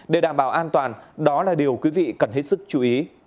để đảm bảo an toàn đó là điều quý vị cần hết sức chú ý